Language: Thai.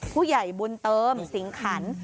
ผู้ใหญ่บุญเติมสิงขัน